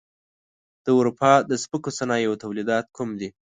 د اروپا د سپکو صنایعو تولیدات کوم دي؟